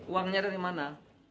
uangnya dari mana